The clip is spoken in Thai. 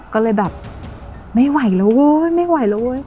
ก็เลยแบบไม่ไหวแล้วโอ้ย